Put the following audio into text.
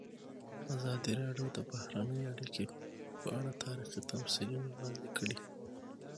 ازادي راډیو د بهرنۍ اړیکې په اړه تاریخي تمثیلونه وړاندې کړي.